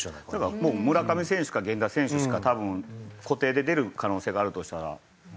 もう村上選手か源田選手しか多分固定で出る可能性があるとしたら。